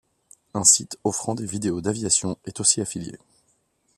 Un site offrant des vidéos d'aviation est aussi affilié.